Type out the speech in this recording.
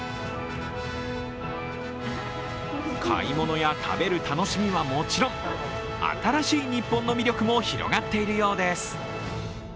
買い物や食べる楽しみはもちろん新しい日本の魅力も広がっているようです。